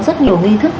rất nhiều nghi thức